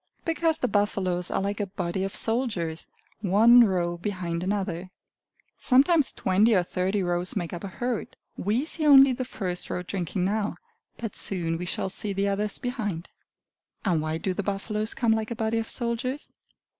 Because the buffaloes are like a body of soldiers, one row behind another. Sometimes twenty or thirty rows make up a herd. We see only the first row drinking now, but soon we shall see the others behind. And why do the buffaloes come like a body of soldiers?